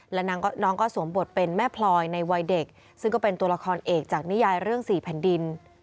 และน้องก็สวมบทเป็นแม่พลอยในวัยเด็กซึ่งก็เป็นตัวละครเอกจากนิยายเรื่อง๔แผ่นดิน